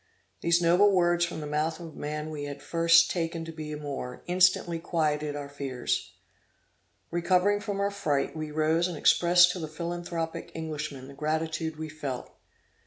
These noble words from the mouth of a man we had at first taken to be a Moor, instantly quieted our fears. Recovering from our fright, we rose and expressed to the philanthropic Englishman the gratitude we felt. Mr.